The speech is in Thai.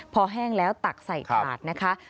พอแห้งแล้วตักใส่ถาดนะคะ